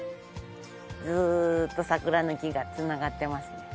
ずーっと桜の木が繋がってますね。